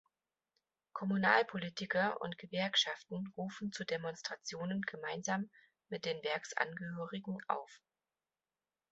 Kommunalpolitiker und Gewerkschaften rufen zu Demonstrationen gemeinsam mit den Werksangehörigen auf.